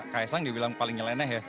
ksang dia bilang paling nyeleneh ya